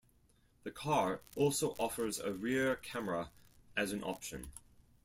The car also offers a rear camera as an option.